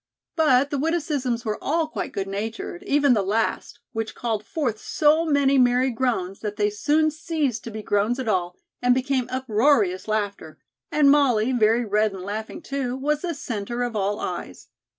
But the witticisms were all quite good natured, even the last, which called forth so many merry groans that they soon ceased to be groans at all and became uproarious laughter, and Molly, very red and laughing, too, was the centre of all eyes.